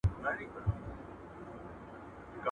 هر شى پر خپل ځاى ښه ايسي.